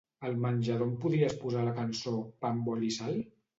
Al menjador em podries posar la cançó "Pa amb oli i sal"?